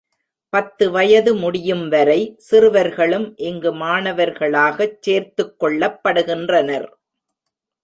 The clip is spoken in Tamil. பத்து வயது முடியும்வரை, சிறுவர்களும் இங்கு மாணவர்களாகச் சேர்த்துக் கொள்ளப்படுகின்றனர்.